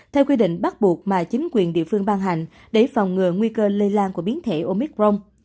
theo quy định bắt buộc mà chính quyền địa phương ban hành để phòng ngừa nguy cơ lây lan của biến thể omicron